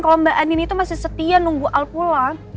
kalau mbak anin itu masih setia nunggu al pulang